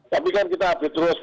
tapi kan kita update terus